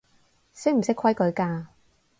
識唔識規矩㗎